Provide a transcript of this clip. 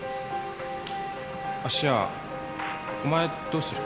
芦屋お前どうする？